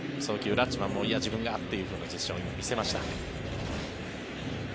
ラッチマンもいや、自分がというジェスチャーを今、見せました。